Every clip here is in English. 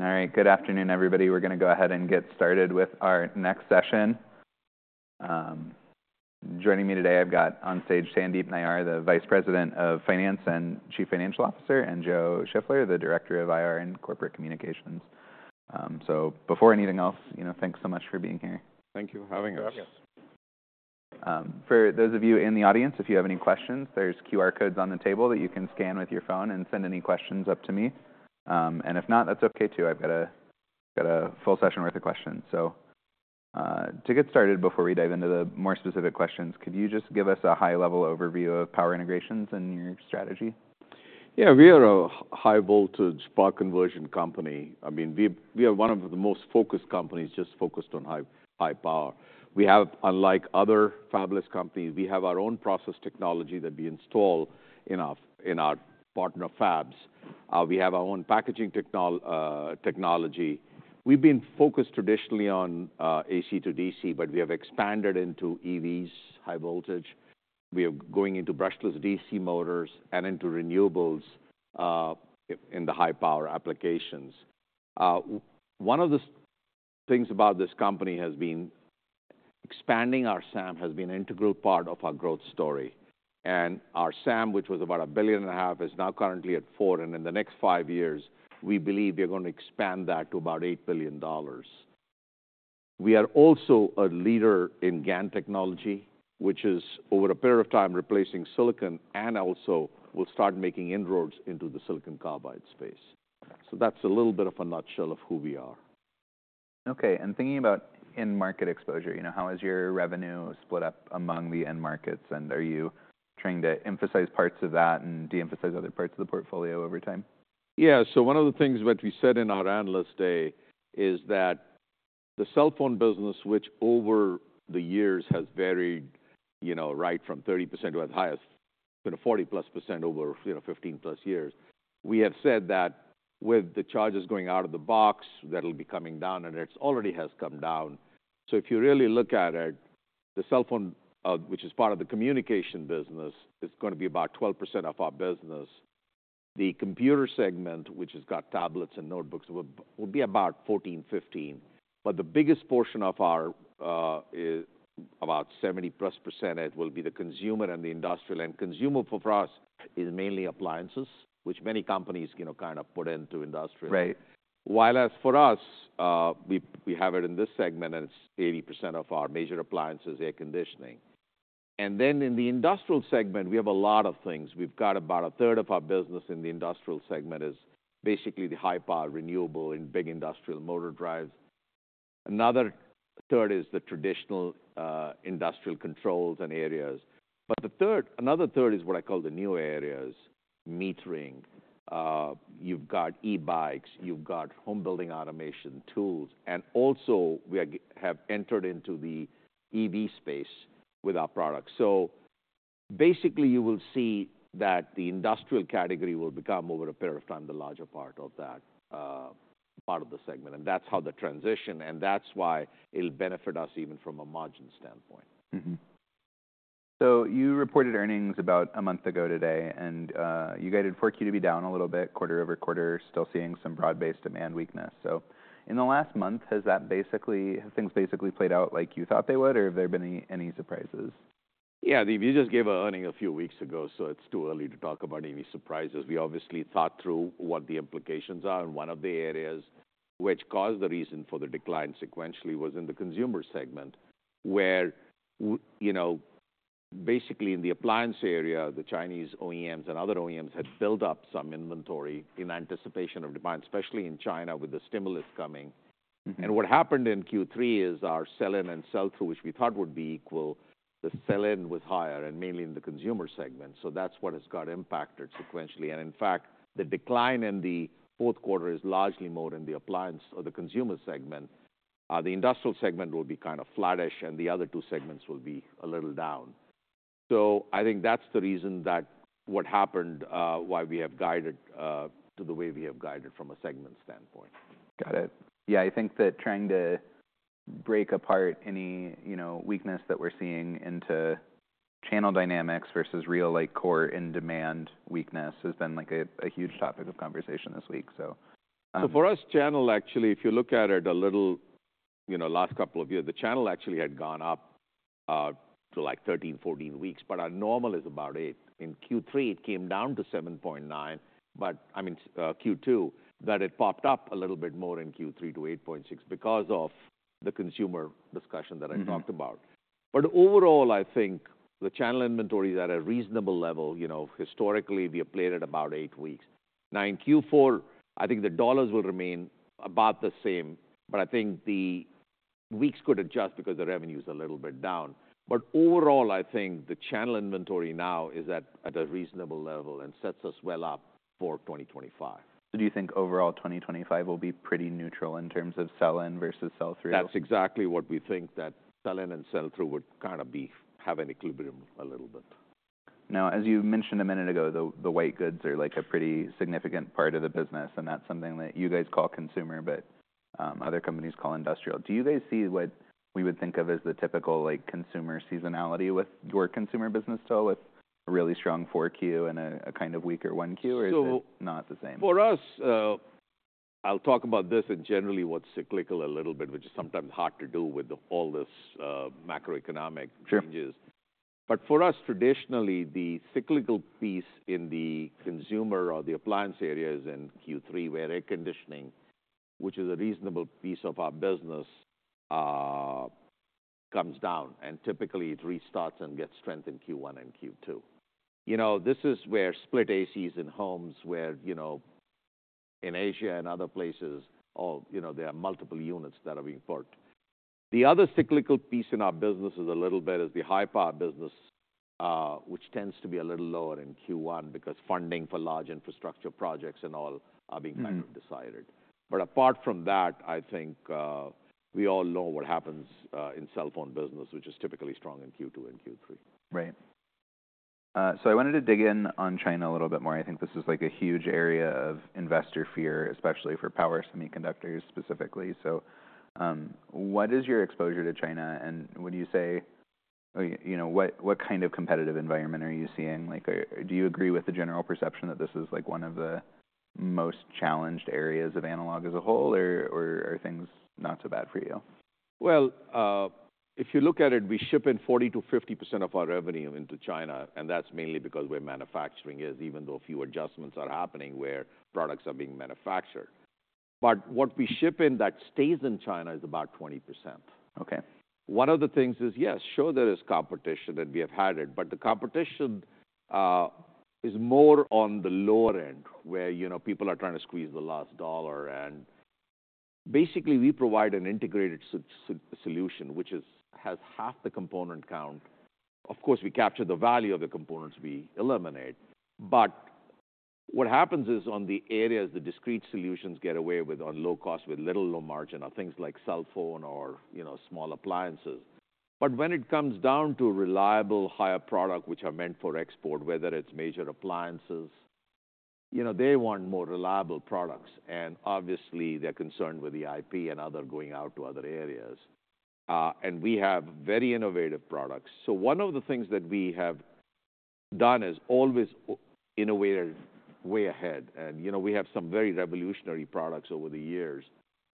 All right. Good afternoon, everybody. We're going to go ahead and get started with our next session. Joining me today, I've got on stage Sandeep Nayyar, the Vice President of Finance and Chief Financial Officer, and Joe Shiffler, the Director of IR and Corporate Communications. So before anything else, thanks so much for being here. Thank you for having us. For those of you in the audience, if you have any questions, there are QR codes on the table that you can scan with your phone and send any questions up to me, and if not, that's OK, too. I've got a full session worth of questions, so to get started, before we dive into the more specific questions, could you just give us a high-level overview of Power Integrations and your strategy? Yeah. We are a high-voltage power conversion company. I mean, we are one of the most focused companies just focused on high power. We have, unlike other fabless companies, we have our own process technology that we install in our partner fabs. We have our own packaging technology. We've been focused traditionally on AC to DC, but we have expanded into EVs, high voltage. We are going into brushless DC motors and into renewables in the high-power applications. One of the things about this company has been expanding our SAM has been an integral part of our growth story. And our SAM, which was about $1.5 billion, is now currently at $4 billion. And in the next five years, we believe we're going to expand that to about $8 billion. We are also a leader in GaN technology, which is, over a period of time, replacing silicon. Also, we'll start making inroads into the silicon carbide space. That's a little bit of a nutshell of who we are. OK. And thinking about end market exposure, how is your revenue split up among the end markets? And are you trying to emphasize parts of that and de-emphasize other parts of the portfolio over time? Yeah. So one of the things that we said in our analyst day is that the cell phone business, which over the years has varied right from 30% to as high as 40+% over 15+ years, we have said that with the chargers going out of the box, that will be coming down. And it already has come down. So if you really look at it, the cell phone, which is part of the communication business, is going to be about 12% of our business. The computer segment, which has got tablets and notebooks, will be about 14%, 15%. But the biggest portion of our about 70+% will be the consumer and the industrial. And consumer for us is mainly appliances, which many companies kind of put into industrial. Right. While, as for us, we have it in this segment, and it's 80% of our major appliances, air conditioning. And then, in the industrial segment, we have a lot of things. We've got about a third of our business in the industrial segment is basically the high-powered renewable and big industrial motor drives. Another third is the traditional industrial controls and areas. But another third is what I call the new areas, metering. You've got e-bikes. You've got home building automation tools. And also, we have entered into the EV space with our products. So basically, you will see that the industrial category will become, over a period of time, the larger part of that part of the segment. And that's how the transition. And that's why it'll benefit us even from a margin standpoint. So you reported earnings about a month ago today. And you guided 4Q to be down a little bit, quarter-over-quarter, still seeing some broad-based demand weakness. So in the last month, have things basically played out like you thought they would? Or have there been any surprises? Yeah. You just gave an earnings a few weeks ago, so it's too early to talk about any surprises. We obviously thought through what the implications are. And one of the areas which caused the reason for the decline sequentially was in the consumer segment, where basically in the appliance area, the Chinese OEMs and other OEMs had built up some inventory in anticipation of demand, especially in China with the stimulus coming. And what happened in Q3 is our sell-in and sell-through, which we thought would be equal, the sell-in was higher, and mainly in the consumer segment. So that's what has got impacted sequentially. And in fact, the decline in the fourth quarter is largely more in the appliance or the consumer segment. The industrial segment will be kind of flattish, and the other two segments will be a little down. So I think that's the reason that what happened, why we have guided to the way we have guided from a segment standpoint. Got it. Yeah. I think that trying to break apart any weakness that we're seeing into channel dynamics versus real core in-demand weakness has been like a huge topic of conversation this week. So for us, the channel, actually, if you look at it over the last couple of years, the channel actually had gone up to like 13 weeks, 14 weeks. But our normal is about 8 weeks. In Q3, it came down to 7.9 weeks. But I mean, in Q2, it popped up a little bit more in Q3 to 8.6 weeks because of the consumer discussion that I talked about. But overall, I think the channel inventory is at a reasonable level. Historically, we have played at about eight weeks. Now in Q4, I think the dollars will remain about the same. But I think the weeks could adjust because the revenue is a little bit down. But overall, I think the channel inventory now is at a reasonable level and sets us well up for 2025. So do you think overall 2025 will be pretty neutral in terms of sell-in versus sell-through? That's exactly what we think, that sell-in and sell-through would kind of have an equilibrium a little bit. Now, as you mentioned a minute ago, the white goods are like a pretty significant part of the business. And that's something that you guys call consumer, but other companies call industrial. Do you guys see what we would think of as the typical consumer seasonality with your consumer business still, with a really strong 4Q and a kind of weaker 1Q? Or is it not the same? For us, I'll talk about this and generally what's cyclical a little bit, which is sometimes hard to do with all these macroeconomic changes, but for us, traditionally, the cyclical piece in the consumer or the appliance area is in Q3, where air conditioning, which is a reasonable piece of our business, comes down, and typically, it restarts and gets strength in Q1 and Q2. This is where split ACs in homes, where in Asia and other places, there are multiple units that are being put. The other cyclical piece in our business is a little bit the high-powered business, which tends to be a little lower in Q1 because funding for large infrastructure projects and all are being kind of decided, but apart from that, I think we all know what happens in cell phone business, which is typically strong in Q2 and Q3. Right. So I wanted to dig in on China a little bit more. I think this is like a huge area of investor fear, especially for power semiconductors specifically. So what is your exposure to China? And would you say what kind of competitive environment are you seeing? Do you agree with the general perception that this is like one of the most challenged areas of analog as a whole? Or are things not so bad for you? If you look at it, we ship 40%-50% of our revenue into China. That's mainly because where manufacturing is, even though few adjustments are happening where products are being manufactured. What we ship in that stays in China is about 20%. OK. One of the things is, yes, sure, there is competition, and we have had it. But the competition is more on the lower end, where people are trying to squeeze the last dollar. And basically, we provide an integrated solution, which has half the component count. Of course, we capture the value of the components we eliminate. But what happens is, the areas the discrete solutions get away with on low cost, with little low margin, are things like cell phone or small appliances. But when it comes down to reliable, higher product, which are meant for export, whether it's major appliances, they want more reliable products. And obviously, they're concerned with the IP and other going out to other areas. And we have very innovative products. So one of the things that we have done is always innovated way ahead. We have some very revolutionary products over the years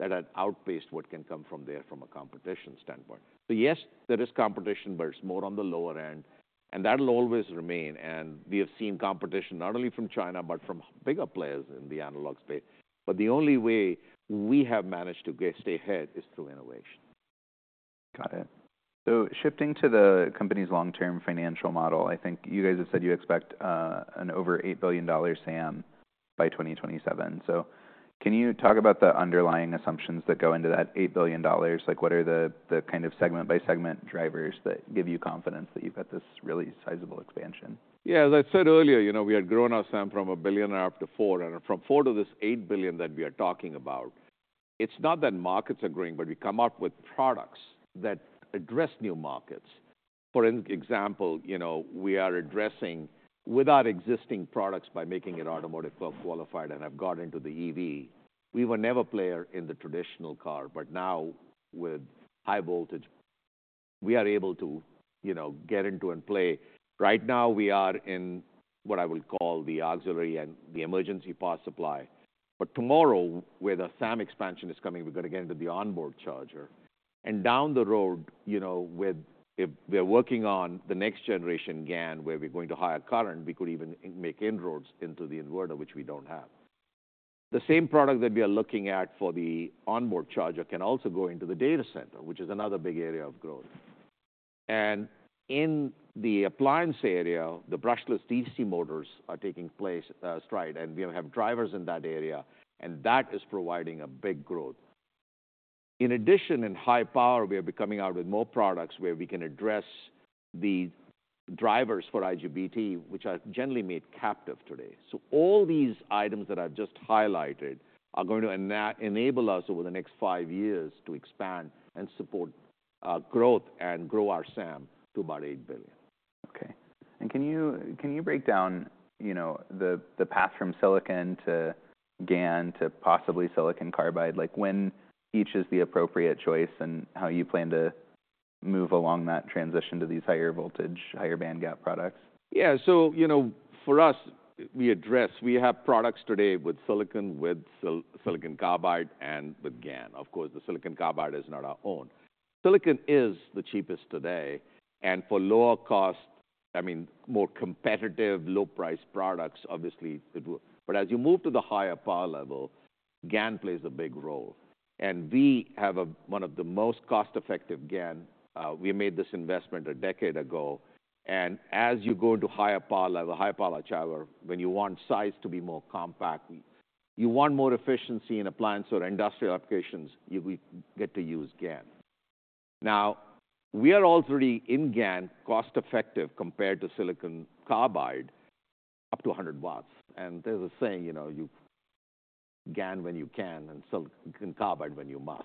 that have outpaced what can come from there from a competition standpoint. Yes, there is competition, but it's more on the lower end. That will always remain. We have seen competition not only from China but from bigger players in the analog space. The only way we have managed to stay ahead is through innovation. Got it. So shifting to the company's long-term financial model, I think you guys have said you expect an over $8 billion SAM by 2027. So can you talk about the underlying assumptions that go into that $8 billion? Like what are the kind of segment-by-segment drivers that give you confidence that you've got this really sizable expansion? Yeah. As I said earlier, we had grown our SAM from $1 billion up to $4 billion, and from $4 billion to this $8 billion that we are talking about, it's not that markets are growing, but we come up with products that address new markets. For example, we are addressing with our existing products by making it automotive qualified and have got into the EV. We were never a player in the traditional car, but now with high voltage, we are able to get into and play. Right now, we are in what I would call the auxiliary and the emergency power supply, but tomorrow, where the SAM expansion is coming, we're going to get into the onboard charger, and down the road, we're working on the next generation GaN, where we're going to higher current. We could even make inroads into the inverter, which we don't have. The same product that we are looking at for the onboard charger can also go into the data center, which is another big area of growth, and in the appliance area, the brushless DC motors are making strides, and we have drivers in that area, and that is providing a big growth. In addition, in high power, we are coming out with more products where we can address the drivers for IGBT, which are generally made captive today, so all these items that I've just highlighted are going to enable us over the next five years to expand and support growth and grow our SAM to about $8 billion. OK, and can you break down the path from silicon to GaN to possibly silicon carbide? Like when each is the appropriate choice and how you plan to move along that transition to these higher voltage, higher band gap products? Yeah. So for us, we already have products today with silicon, with silicon carbide, and with GaN. Of course, the silicon carbide is not our own. Silicon is the cheapest today, and for lower cost, I mean, more competitive, low-priced products, obviously. But as you move to the higher power level, GaN plays a big role, and we have one of the most cost-effective GaN. We made this investment a decade ago, and as you go into higher power level, higher power charger, when you want size to be more compact, you want more efficiency in appliance or industrial applications, you get to use GaN. Now, we are already in GaN cost-effective compared to silicon carbide, up to 100 W. And there's a saying, you GaN when you can and silicon carbide when you must.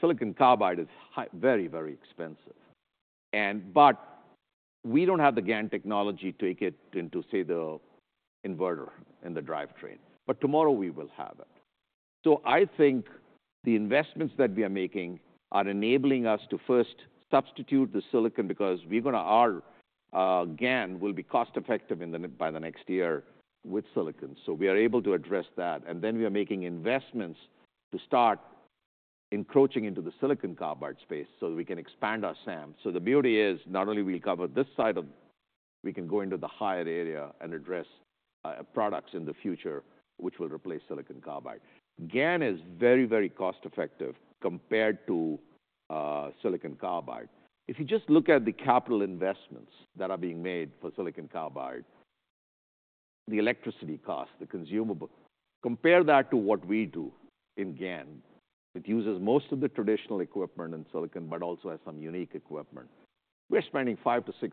Silicon carbide is very, very expensive. But we don't have the GaN technology to take it into, say, the inverter and the drivetrain. But tomorrow, we will have it. So I think the investments that we are making are enabling us to first substitute the silicon because our GaN will be cost-effective by the next year with silicon. So we are able to address that. And then we are making investments to start encroaching into the silicon carbide space so we can expand our SAM. So the beauty is not only will we cover this side of we can go into the higher area and address products in the future, which will replace silicon carbide. GaN is very, very cost-effective compared to silicon carbide. If you just look at the capital investments that are being made for silicon carbide, the electricity cost, the consumable, compare that to what we do in GaN. It uses most of the traditional equipment and silicon but also has some unique equipment. We're spending 5%-6%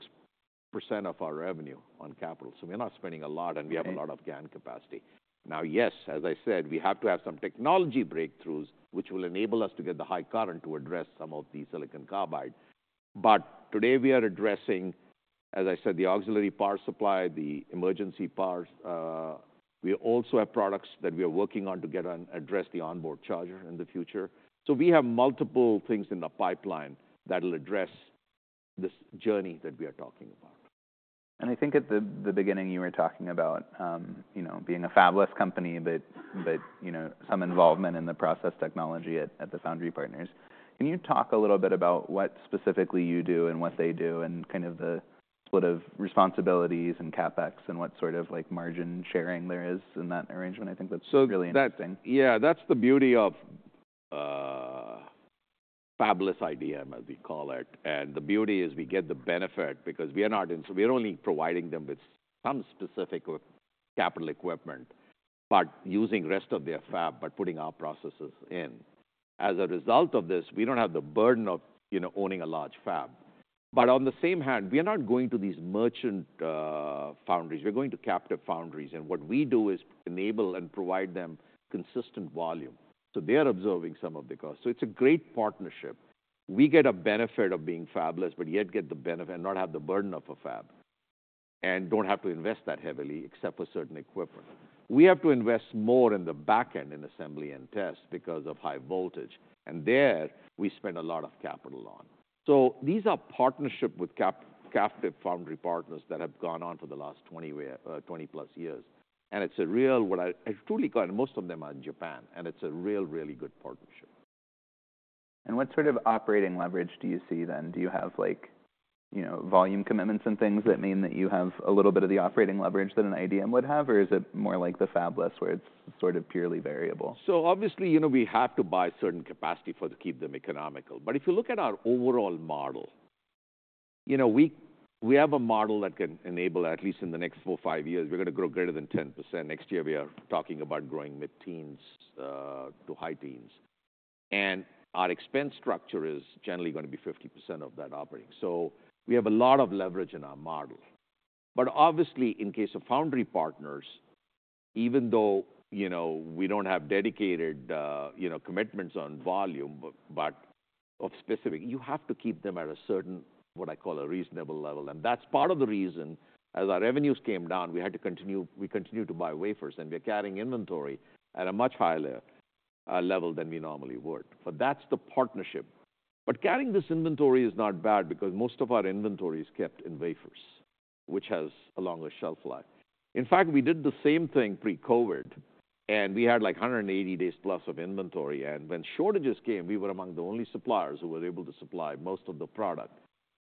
of our revenue on capital. So we're not spending a lot, and we have a lot of GaN capacity. Now, yes, as I said, we have to have some technology breakthroughs, which will enable us to get the high current to address some of the silicon carbide. But today, we are addressing, as I said, the auxiliary power supply, the emergency power. We also have products that we are working on to get and address the onboard charger in the future. So we have multiple things in the pipeline that will address this journey that we are talking about. I think at the beginning, you were talking about being a fabless company, but some involvement in the process technology at the foundry partners. Can you talk a little bit about what specifically you do and what they do and kind of the split of responsibilities and CapEx and what sort of margin sharing there is in that arrangement? I think that's really interesting. Yeah. That's the beauty of fabless IDM, as we call it, and the beauty is we get the benefit because we're only providing them with some specific capital equipment but using the rest of their fab but putting our processes in. As a result of this, we don't have the burden of owning a large fab. But on the same hand, we are not going to these merchant foundries. We're going to captive foundries, and what we do is enable and provide them consistent volume. So they are absorbing some of the cost. So it's a great partnership. We get a benefit of being fabless, but yet get the benefit and not have the burden of a fab and don't have to invest that heavily, except for certain equipment. We have to invest more in the back end, in assembly and test because of high voltage. And there, we spend a lot of capital on. So these are partnerships with captive foundry partners that have gone on for the last 20+ years. And it's a real what I truly call most of them are in Japan. And it's a real, really good partnership. What sort of operating leverage do you see then? Do you have volume commitments and things that mean that you have a little bit of the operating leverage that an IDM would have? Or is it more like the fabless, where it's sort of purely variable? So obviously, we have to buy certain capacity to keep them economical. But if you look at our overall model, we have a model that can enable, at least in the next four, five years, we're going to grow greater than 10%. Next year, we are talking about growing mid-teens to high-teens. And our expense structure is generally going to be 50% of that operating. So we have a lot of leverage in our model. But obviously, in case of foundry partners, even though we don't have dedicated commitments on volume, but of specific, you have to keep them at a certain, what I call, a reasonable level. And that's part of the reason as our revenues came down, we had to continue to buy wafers. And we're carrying inventory at a much higher level than we normally would. But that's the partnership. But carrying this inventory is not bad because most of our inventory is kept in wafers, which has a longer shelf life. In fact, we did the same thing pre-COVID. And we had like 180 days plus of inventory. And when shortages came, we were among the only suppliers who were able to supply most of the product.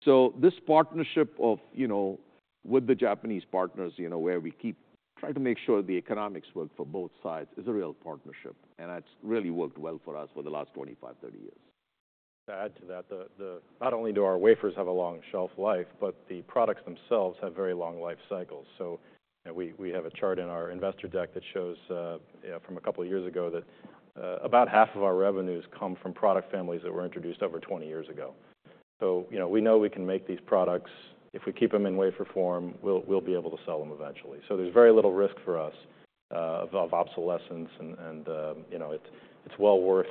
So this partnership with the Japanese partners, where we keep trying to make sure the economics work for both sides, is a real partnership. And it's really worked well for us for the last 25 years-30 years. To add to that, not only do our wafers have a long shelf life, but the products themselves have very long life cycles. So we have a chart in our investor deck that shows from a couple of years ago that about half of our revenues come from product families that were introduced over 20 years ago. So we know we can make these products. If we keep them in wafer form, we'll be able to sell them eventually. So there's very little risk for us of obsolescence. And it's well worth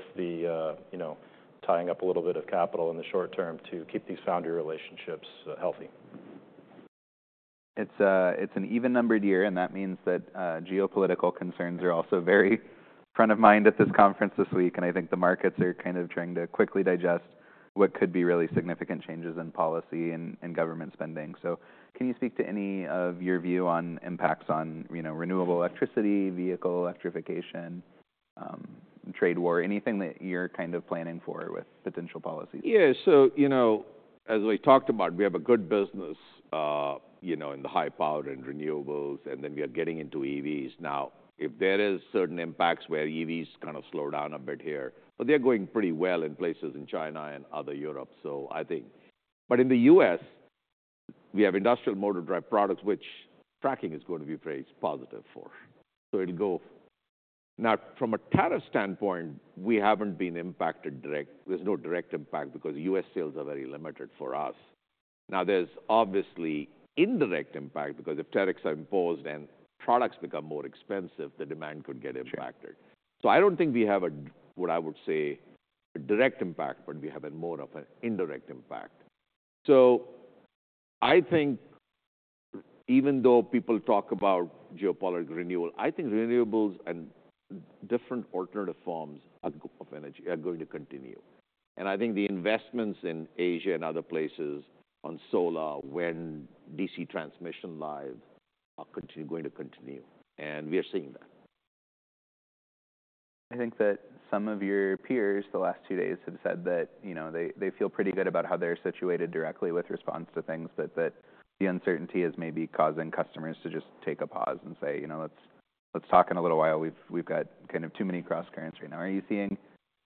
tying up a little bit of capital in the short term to keep these foundry relationships healthy. It's an even-numbered year. And that means that geopolitical concerns are also very front of mind at this conference this week. I think the markets are kind of trying to quickly digest what could be really significant changes in policy and government spending. Can you speak to any of your view on impacts on renewable electricity, vehicle electrification, trade war, anything that you're kind of planning for with potential policies? Yeah. So as we talked about, we have a good business in the high power and renewables. And then we are getting into EVs now. If there are certain impacts where EVs kind of slow down a bit here, but they're going pretty well in places in China and other Europe, so I think. But in the U.S., we have industrial motor drive products, which traction is going to be very positive for. So it'll go. Now, from a tariff standpoint, we haven't been impacted directly. There's no direct impact because U.S. sales are very limited for us. Now, there's obviously indirect impact because if tariffs are imposed and products become more expensive, the demand could get impacted. So I don't think we have a, what I would say, direct impact, but we have more of an indirect impact. So I think even though people talk about geopolitical renewal, I think renewables and different alternative forms of energy are going to continue. And I think the investments in Asia and other places on solar with DC transmission lines are going to continue. And we are seeing that. I think that some of your peers the last two days have said that they feel pretty good about how they're situated directly in response to things, but that the uncertainty is maybe causing customers to just take a pause and say, let's talk in a little while. We've got kind of too many cross currents right now. Are you seeing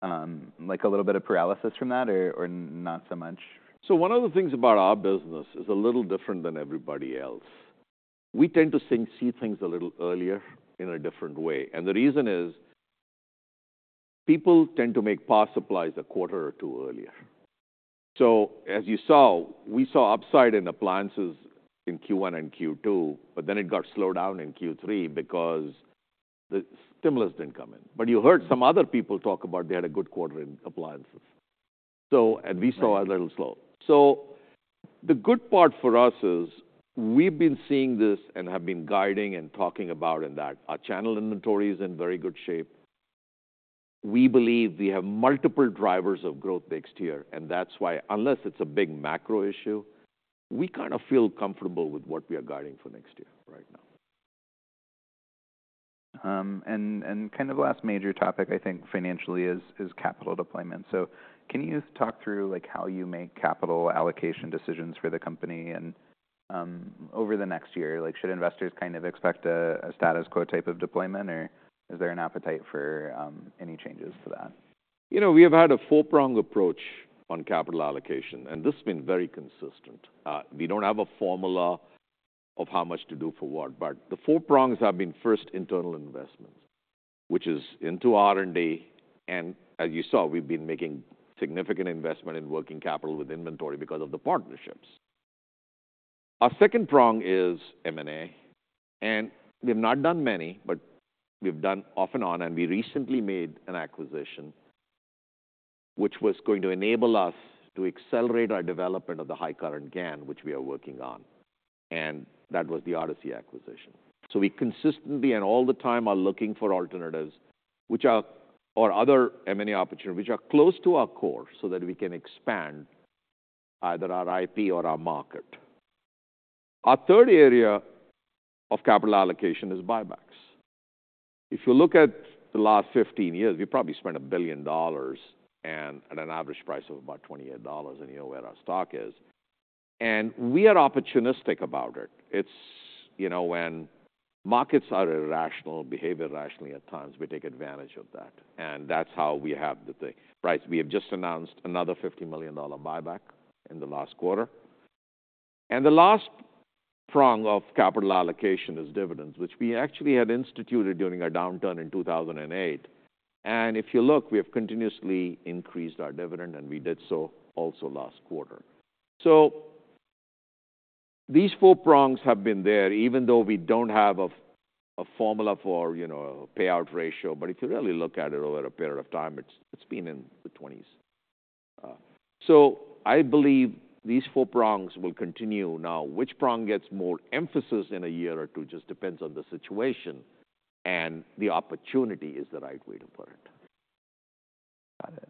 a little bit of paralysis from that or not so much? So one of the things about our business is a little different than everybody else. We tend to see things a little earlier in a different way. And the reason is people tend to make power supplies a quarter or two earlier. So as you saw, we saw upside in appliances in Q1 and Q2, but then it got slowed down in Q3 because the stimulus didn't come in. But you heard some other people talk about they had a good quarter in appliances. And we saw a little slow. So the good part for us is we've been seeing this and have been guiding and talking about in that our channel inventory is in very good shape. We believe we have multiple drivers of growth next year. That's why, unless it's a big macro issue, we kind of feel comfortable with what we are guiding for next year right now. Kind of the last major topic, I think, financially is capital deployment. Can you talk through how you make capital allocation decisions for the company? Over the next year, should investors kind of expect a status quo type of deployment or is there an appetite for any changes to that? We have had a four-pronged approach on capital allocation, and this has been very consistent. We don't have a formula of how much to do for what, but the four prongs have been first internal investments, which is into R&D, and as you saw, we've been making significant investment in working capital with inventory because of the partnerships. Our second prong is M&A, and we have not done many, but we've done off and on, and we recently made an acquisition, which was going to enable us to accelerate our development of the high current GaN, which we are working on, and that was the Odyssey acquisition, so we consistently and all the time are looking for alternatives or other M&A opportunities which are close to our core so that we can expand either our IP or our market. Our third area of capital allocation is buybacks. If you look at the last 15 years, we probably spent $1 billion at an average price of about $28 a year where our stock is. And we are opportunistic about it. When markets are irrational, behave irrationally at times, we take advantage of that. And that's how we have the price. We have just announced another $50 million buyback in the last quarter. And the last prong of capital allocation is dividends, which we actually had instituted during our downturn in 2008. And if you look, we have continuously increased our dividend. And we did so also last quarter. So these four prongs have been there, even though we don't have a formula for payout ratio. But if you really look at it over a period of time, it's been in the 20s%. So I believe these four prongs will continue. Now, which prong gets more emphasis in a year or two just depends on the situation, and the opportunity is the right way to put it. Got it.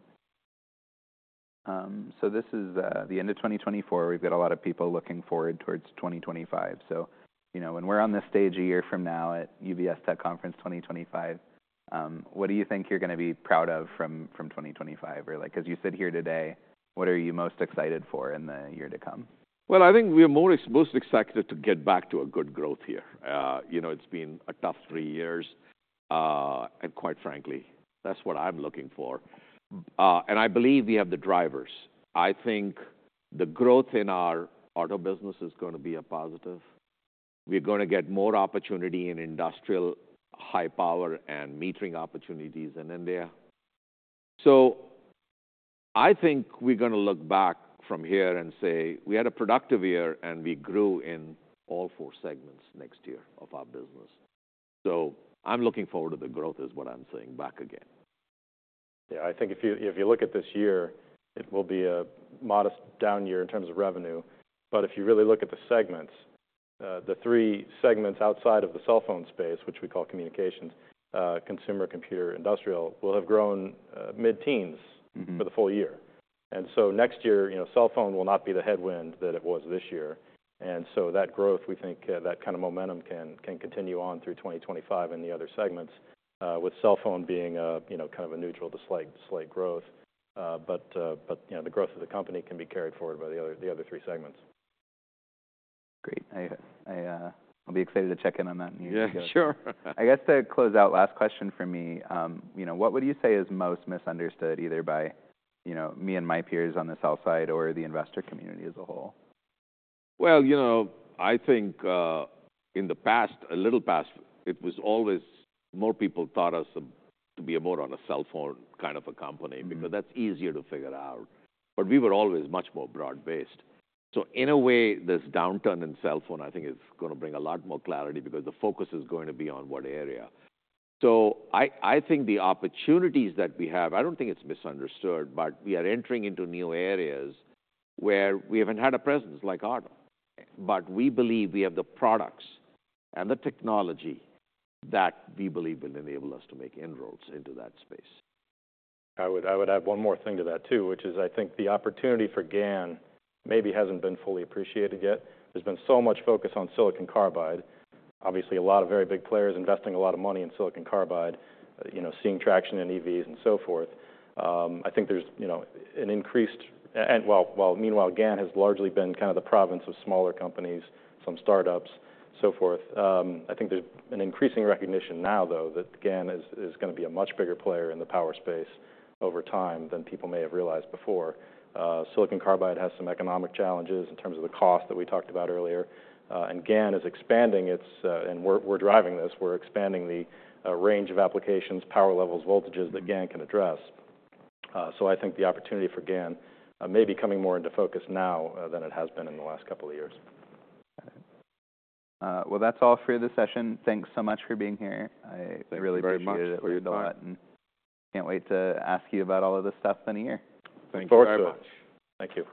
So this is the end of 2024. We've got a lot of people looking forward towards 2025. So when we're on the stage a year from now at UBS Tech Conference 2025, what do you think you're going to be proud of from 2025? Or as you sit here today, what are you most excited for in the year to come? I think we are most excited to get back to a good growth here. It's been a tough three years. Quite frankly, that's what I'm looking for. I believe we have the drivers. I think the growth in our auto business is going to be a positive. We're going to get more opportunity in industrial high power and metering opportunities in India. I think we're going to look back from here and say, we had a productive year. We grew in all four segments next year of our business. I'm looking forward to the growth. That's what I'm saying back again. Yeah. I think if you look at this year, it will be a modest down year in terms of revenue. But if you really look at the segments, the three segments outside of the cell phone space, which we call communications, consumer, computer, industrial, will have grown mid-teens for the full year. And so next year, cell phone will not be the headwind that it was this year. And so that growth, we think that kind of momentum can continue on through 2025 in the other segments, with cell phone being kind of a neutral to slight growth. But the growth of the company can be carried forward by the other three segments. Great. I'll be excited to check in on that in the year to go. Yeah. Sure. I guess to close out, last question for me. What would you say is most misunderstood, either by me and my peers on the sell side or the investor community as a whole? I think in the past, a little past, it was always more people thought us to be more on a cell phone kind of a company because that's easier to figure out. We were always much more broad-based. In a way, this downturn in cell phone, I think, is going to bring a lot more clarity because the focus is going to be on what area. I think the opportunities that we have, I don't think it's misunderstood, but we are entering into new areas where we haven't had a presence like auto. We believe we have the products and the technology that we believe will enable us to make inroads into that space. I would add one more thing to that, too, which is I think the opportunity for GaN maybe hasn't been fully appreciated yet. There's been so much focus on silicon carbide. Obviously, a lot of very big players investing a lot of money in silicon carbide, seeing traction in EVs and so forth. Meanwhile, GaN has largely been kind of the province of smaller companies, some startups, so forth. I think there's an increasing recognition now, though, that GaN is going to be a much bigger player in the power space over time than people may have realized before. Silicon carbide has some economic challenges in terms of the cost that we talked about earlier. GaN is expanding, and we're driving this. We're expanding the range of applications, power levels, voltages that GaN can address. So I think the opportunity for GaN may be coming more into focus now than it has been in the last couple of years. Got it. Well, that's all for the session. Thanks so much for being here. I really appreciate it. Very much for your time. Can't wait to ask you about all of this stuff in a year. Thank you very much. Thank you.